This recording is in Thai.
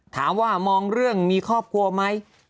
ถามว่ามองเรื่องมีครอบครัวไหม